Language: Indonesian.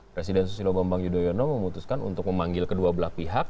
presiden susilo bambang yudhoyono memutuskan untuk memanggil kedua belah pihak